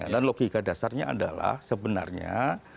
dan logika dasarnya adalah sebenarnya